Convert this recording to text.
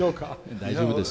大丈夫です。